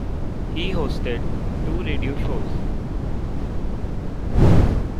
He hosted two radio shows.